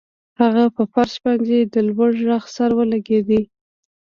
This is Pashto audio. هغه په فرش باندې د لوړ غږ سره ولګیده